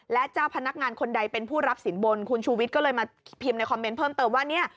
และเจ้าพนักงานคนใดเป็นผู้รับสินบนคุณชูวิทย์ก็เลยมาพิมพ์ในคอมเมนต์เพิ่มเติมว่าเนี่ย